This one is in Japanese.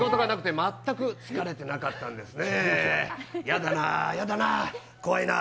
そのとき私、仕事がなくて全く疲れてなかったんですね。